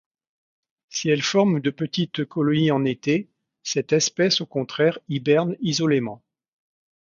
Si elle forme de petites colonies en été, cette espèce au contraire hiberne isolément.